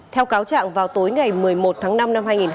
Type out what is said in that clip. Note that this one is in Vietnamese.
theo cáo trạng vào tối ngày một mươi một tháng năm năm hai nghìn hai mươi